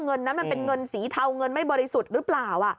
เงินนั้นมันเป็นเงินสีเทาเงินไม่บริสุทธิ์หรือเปล่า